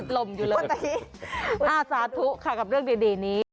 ลมอยู่เลยอาสาธุค่ะกับเรื่องดีนี้